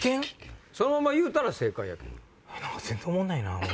そのまんま言うたら正解やけど。